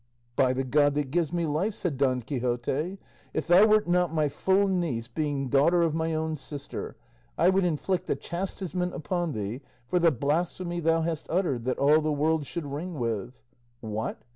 "By the God that gives me life," said Don Quixote, "if thou wert not my full niece, being daughter of my own sister, I would inflict a chastisement upon thee for the blasphemy thou hast uttered that all the world should ring with. What!